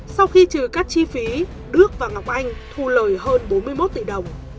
sau khi trừ các chi phí đức và ngọc anh thu lời hơn bốn mươi một tỷ đồng